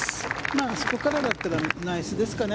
あそこからだったらナイスですかね